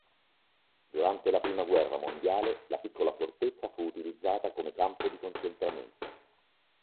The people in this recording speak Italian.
Durante la Prima guerra mondiale la piccola fortezza fu utilizzata come campo di concentramento.